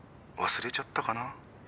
忘れちゃったかな？